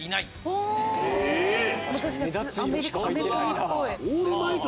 目立つ色しか入ってない。